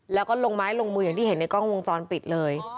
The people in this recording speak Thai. แล้วก็ลงไม้ลงมืออย่างที่เห็นในกล้องวงจรปิดเลย